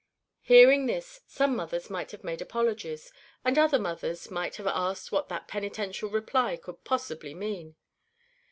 Hearing this, some mothers might have made apologies; and other mothers might have asked what that penitential reply could possibly mean.